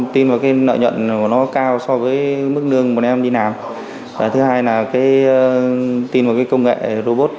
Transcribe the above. tin vào cái công nghệ robot